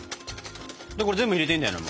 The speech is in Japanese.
これ全部入れていいんだよね？